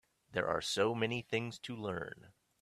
There are so many things to learn.